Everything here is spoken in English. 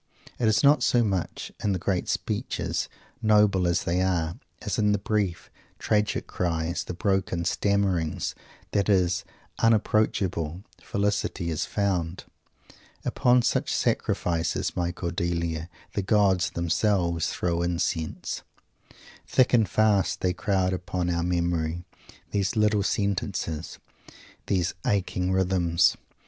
It is not so much in the great speeches, noble as these are, as in the brief, tragic cries and broken stammerings, that his unapproachable felicity is found. "Upon such sacrifices, my Cordelia, the gods themselves throw incense." Thick and fast they crowd upon our memory, these little sentences, these aching rhythms!